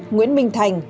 nguyễn minh thành